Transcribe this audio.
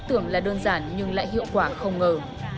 tưởng là đơn giản nhưng lại hiệu quả không ngờ